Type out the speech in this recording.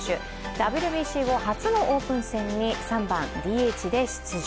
ＷＢＣ後初のオープン戦に３番・ＤＨで出場。